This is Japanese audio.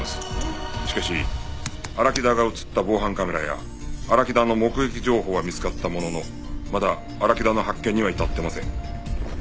しかし荒木田が映った防犯カメラや荒木田の目撃情報は見つかったもののまだ荒木田の発見には至ってません。